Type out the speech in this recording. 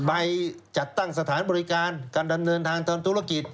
ไปจัดตั้งสถานบริการการเดินทางทำธุรกิจ